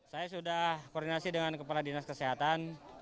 saya sudah koordinasi dengan kepala dinas kesehatan